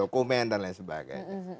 komendan dan lain sebagainya